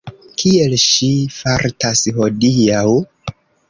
Kiel ŝi fartas hodiaŭ?